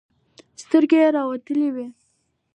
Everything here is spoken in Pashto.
سترګې يې راوتلې وې.